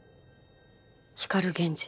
光源氏。